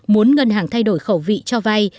muốn ngân hàng thay đổi khẩu vị cho vay